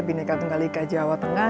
bineka tunggal ika jawa tengah